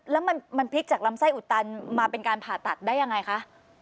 แล้วมันพลิกจากลำไส้อุดตันมาเป็นการผ่าตัดได้ยังไงคะ